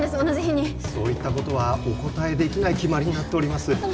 同じ日にそういったことはお答えできない決まりになっております